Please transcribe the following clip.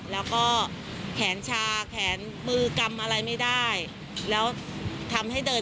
หมอตรวจว่าการเหมือนว่าส่งตัวกัน